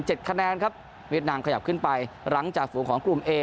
คะแนนครับเวียดนามขยับขึ้นไปหลังจากฝูงของกลุ่มเอ